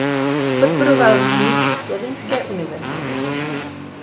Podporoval vznik slovinské univerzity.